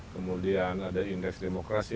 kemudian ada indeks demokrasi